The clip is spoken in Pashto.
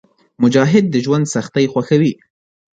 مجاهد د ژوند سختۍ خوښوي.